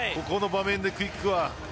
この場面でのクイックは。